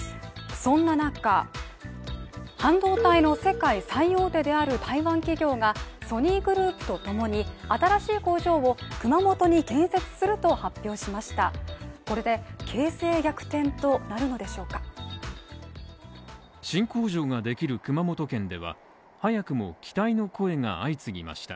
そんな中、半導体の世界最大手である台湾企業がソニーグループとともに新しい工場を熊本に建設すると発表しました。